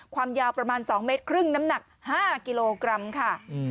ความยาวประมาณ๒เมตรครึ่งน้ำหนัก๕กิโลกรัมค่ะ